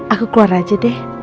aku keluar aja deh